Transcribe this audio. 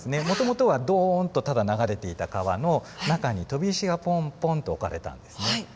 もともとはドンとただ流れていた川の中に飛び石がポンポンと置かれたんですね。